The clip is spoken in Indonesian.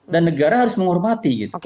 dan negara harus menghormati